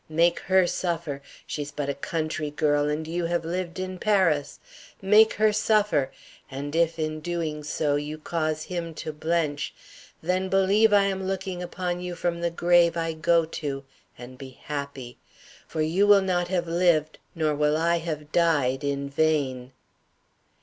Make her suffer she's but a country girl, and you have lived in Paris make her suffer, and if, in doing so, you cause him to blench, then believe I am looking upon you from the grave I go to, and be happy; for you will not have lived, nor will I have died, in vain."